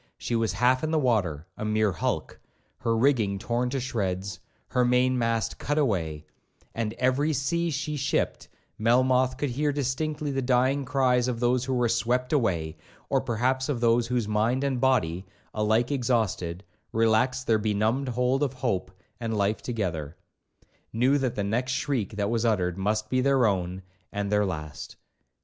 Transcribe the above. She was half in the water, a mere hulk, her rigging torn to shreds, her main mast cut away, and every sea she shipped, Melmoth could hear distinctly the dying cries of those who were swept away, or perhaps of those whose mind and body, alike exhausted, relaxed their benumbed hold of hope and life together,—knew that the next shriek that was uttered must be their own and their last.